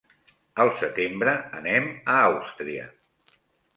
Al setembre anem a Àustria.